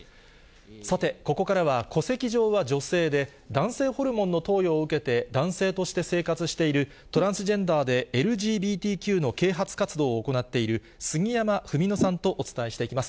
さて、ここからは、戸籍上は女性で、男性ホルモンの投与を受けて男性として生活している、トランスジェンダーで、ＬＧＢＴＱの啓発活動を行っている、杉山文野さんとお伝えしていきます。